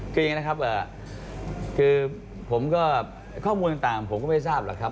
คืออย่างนี้นะครับคือผมก็ข้อมูลต่างผมก็ไม่ทราบหรอกครับ